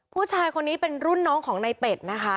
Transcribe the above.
ผู้ชายคนนี้เป็นรุ่นน้องของในเป็ดนะคะ